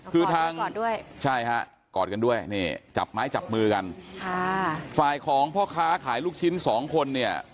คือทางกอดด้วยใช่ฮะกอดกันด้วยนี่จับไม้จับมือกันค่ะฝ่ายของพ่อค้าขายลูกชิ้นสองคนเนี่ย